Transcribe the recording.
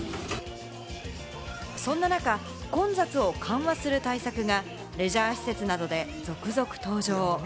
そんな中、混雑を緩和する対策がレジャー施設などで続々登場。